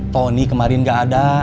tony kemarin nggak ada